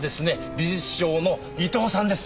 美術商の伊藤さんです。